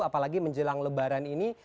apalagi menjelang lebaran ini